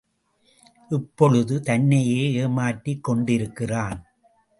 இப்பொழுது தன்னையே ஏமாற்றிக் கொண்டிருக்கிறான்.